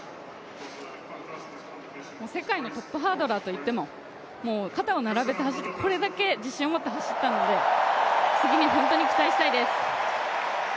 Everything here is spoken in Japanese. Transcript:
世界のトップハードラーと肩を並べて走る、これだけ自信を持って走ったので次に本当に期待したいです。